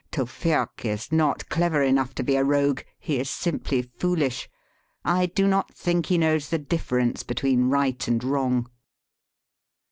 Tewfik is not clever enough to be a rogue : he is simply foolish. I do not think he knows the diflference between right and wrong."